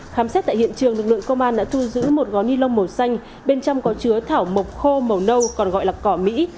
khám xét tại hiện trường lực lượng công an đã thu giữ một gói ni lông màu xanh bên trong có chứa thảo mộc khô màu nâu còn gọi là cỏ mỹ